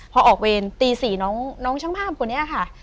พอออกเวรตีสี่น้องฉันห้ามคนนี้ค่ะ